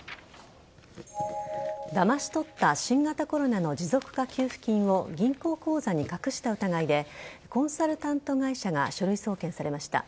だまし取った新型コロナの持続化給付金を銀行口座に隠した疑いでコンサルタント会社が書類送検されました。